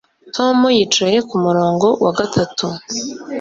Tom yicaye kumurongo wa gatatu